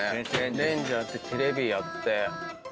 レンジあってテレビあって。